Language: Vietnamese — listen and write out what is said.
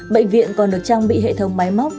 bệnh viện còn được trang bị hệ thống máy móc